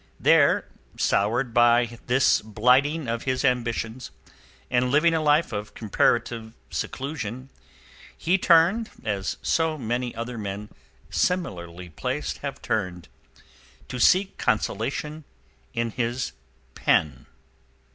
There, soured by this blighting of his ambitions, and living a life of comparative seclusion, he turned, as so many other men similarly placed have turned, to seek consolation in his pen.